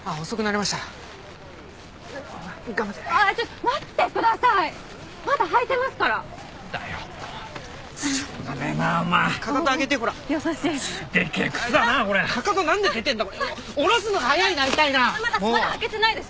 まだまだ履けてないです！